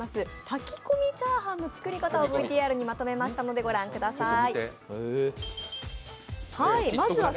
炊き込みチャーハンの作り方をＶＴＲにまとめましたので御覧ください。